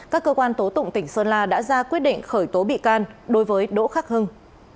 các cơ quan tố tụng tỉnh sơn la đã ra quyết định khởi tố bị can đối với đỗ khắc hưng